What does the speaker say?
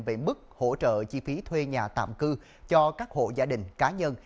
về mức hỗ trợ chi phí thuê nhà tạm cư cho các hộ gia đình cá nhân